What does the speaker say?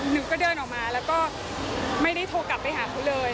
หนูก็เดินออกมาแล้วก็ไม่ได้โทรกลับไปหาเขาเลย